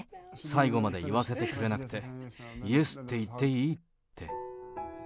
最後まで言わせてくれなくて、イエスって言っていい？って。